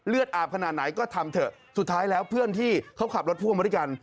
อาบขนาดไหนก็ทำเถอะสุดท้ายแล้วเพื่อนที่เขาขับรถพ่วงมาด้วยกัน